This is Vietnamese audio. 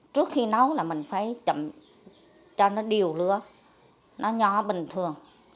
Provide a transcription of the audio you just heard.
trước khi nấu là mình phải chậm cho nó điều lứa nó nhỏ bình thường